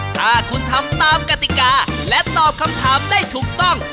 ถ้าคุณทำตามกติกาและตอบคำถามได้ถูกต้อง